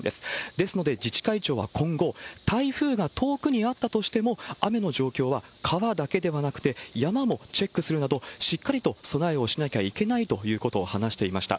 ですので、自治会長は今後、台風が遠くにあったとしても、雨の状況は川だけではなくて、山もチェックするなど、しっかりと備えをしなきゃいけないということを話していました。